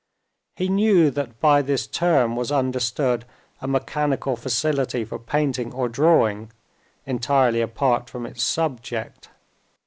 He knew that by this term was understood a mechanical facility for painting or drawing, entirely apart from its subject.